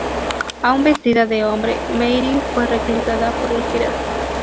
Aún vestida de hombre, Mary fue reclutada por los piratas.